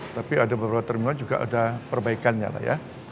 tapi ada beberapa terminal juga ada perbaikannya pak ya